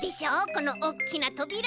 このおっきなとびら。